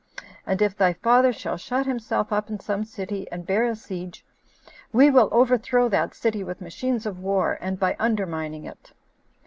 And if thy father shall shut himself up in some city, and bear a siege, we will overthrow that city with machines of war, and by undermining it."